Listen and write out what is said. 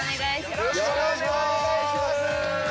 よろしくお願いします。